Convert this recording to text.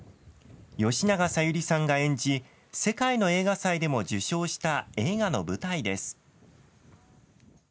吉永小百合さんが演じ、世界の映画祭でも受賞した映画の舞台です。